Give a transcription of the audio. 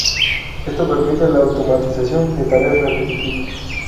Esto permite la automatización de tareas repetitivas.